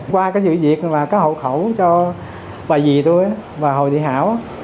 qua sự việc và hậu khẩu cho bà dì tôi và hồ địa hảo